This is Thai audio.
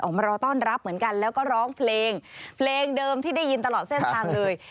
มารอต้อนรับเหมือนกันแล้วก็ร้องเพลงเพลงเดิมที่ได้ยินตลอดเส้นทางเลย